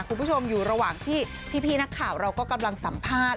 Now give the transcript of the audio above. คุณผู้ชมอยู่ระหว่างที่พี่นักข่าวเราก็กำลังสัมภาษณ์